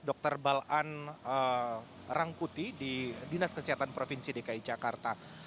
dr balan rangkuti di dinas kesehatan provinsi dki jakarta